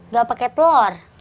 gak pakai telur